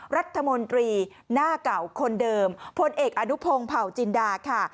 รัฐมนตรีหน้าเก่าคนเดิมพลเอกอนุพงศ์เผาจินดาค่ะ